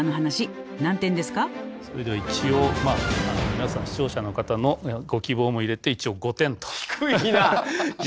皆さん視聴者の方のご希望も入れて一応５点と。